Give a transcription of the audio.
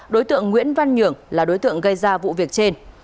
đối tượng nguyễn văn nhường là đối tượng gây ra vụ việc trên